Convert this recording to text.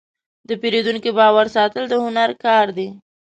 د پیرودونکي باور ساتل د هنر کار دی.